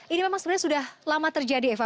ini memang sebenarnya sudah lama terjadi eva